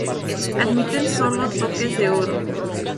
Admiten sólo toques de oro.